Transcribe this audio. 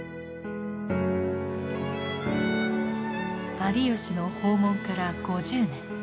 有吉の訪問から５０年。